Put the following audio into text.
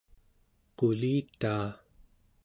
qulitaa